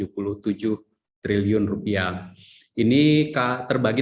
puluh tujuh triliun rupiah ini kak terbagi